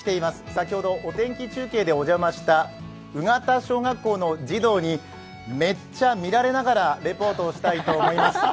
先ほど、お天気中継でお邪魔した鵜方小学校の児童にめっちゃ見られながらレポートしたいと思います。